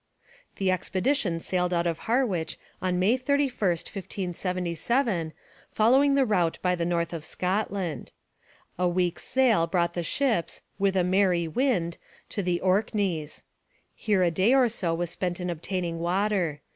The expedition sailed out of Harwich on May 31, 1577, following the route by the north of Scotland. A week's sail brought the ships 'with a merrie wind' to the Orkneys. Here a day or so was spent in obtaining water.